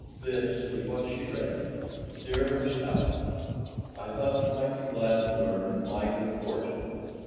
This was what she read: DEAR MISS TALBOT: I thought you might be glad to learn of my good fortune.